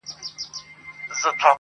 زړه وه زړه ته لاره لري.